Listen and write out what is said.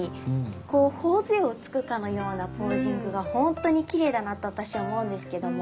こう頬づえをつくかのようなポージングがほんとにきれいだなと私は思うんですけども。